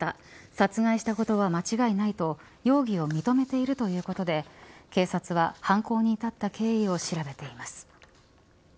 殺害したことは間違いないと容疑を認めているということで警察は犯行に至った経緯を調べています。